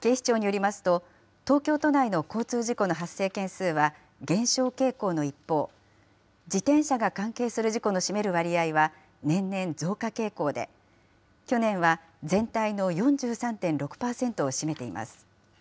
警視庁によりますと、東京都内の交通事故の発生件数は減少傾向の一方、自転車が関係する事故の占める割合は、年々増加傾向で、去年は、全体の４３．６％を占めています。